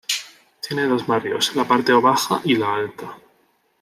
Tiene dos barrios, la parte baja y la alta.